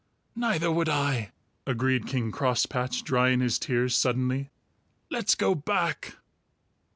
"Neither would I," agreed King Crosspatch, drying his tears suddenly. "Let's go back!"